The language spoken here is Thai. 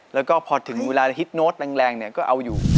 แล้วก็พอถึงเวลาฮิตโน้ตแรงเนี่ยก็เอาอยู่